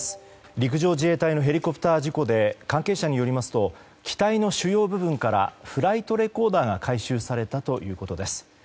陸上自衛隊のヘリコプター事故で関係者によりますと機体の主要部分からフライトレコーダーが回収されたということです。